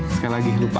sekali lagi lupa